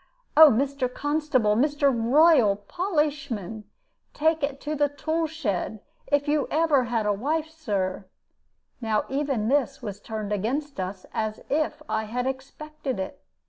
'Oh, Mr. Constable, Mr. Rural Polishman, take it to the tool shed, if you ever had a wife, Sir.' Now even this was turned against us as if I had expected it.